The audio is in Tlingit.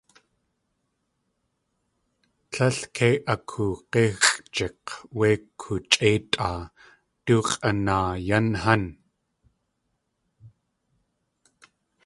Tlél kei akoog̲íxʼjik̲ wéi koochʼéetʼaa - du x̲ʼanaa yan hán!